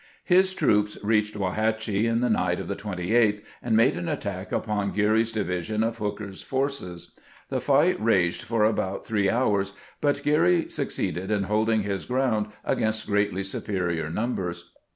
His troops reached Wauhatchie in the night of the 28th, and made an attack upon Geary's division of Hooker's forces. The fight raged for about three hours, but Geary succeeded in holding his ground against greatly superior numbers.